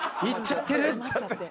いっちゃってる！